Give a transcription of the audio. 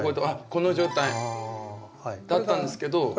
あっこの状態だったんですけど。